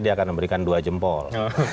dia akan memberikan dua jempol